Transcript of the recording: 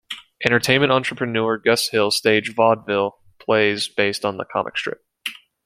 Entertainment entrepreneur Gus Hill staged vaudeville plays based on the comic strip.